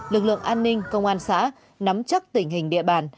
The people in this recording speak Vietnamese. lực lượng an ninh công an xã nắm chắc tình hình địa bàn